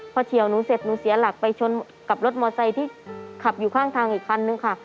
พอเฉียวหนูเสร็จหนูเสียหลักไปชนกับรถมอไซค์ที่ขับอยู่ข้างทางอีกคันนึงค่ะ